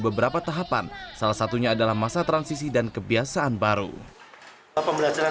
beberapa tahapan salah satunya adalah masa transisi dan kebiasaan baru pembelajaran